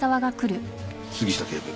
杉下警部